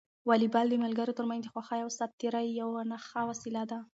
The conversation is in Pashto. واليبال د ملګرو ترمنځ د خوښۍ او ساعت تېري یوه ښه وسیله ده.